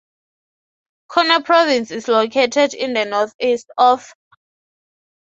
Kunar province is located in the northeast of Afghanistan.